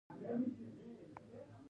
آیا دوی نوي خلک نه مني؟